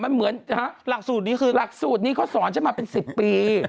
หลักสูตรนี้เขาสอนฉันมาเป็น๑๐ปี